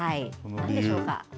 なんでしょうか？